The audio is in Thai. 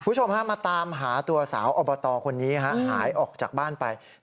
คุณผู้ชมฮะมาตามหาตัวสาวอบตคนนี้หายออกจากบ้านไป